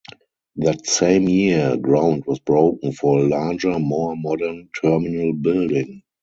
That same year, ground was broken for a larger, more modern terminal building.